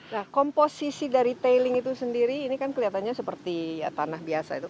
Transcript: nah komposisi dari tailing itu sendiri ini kan kelihatannya seperti tanah biasa itu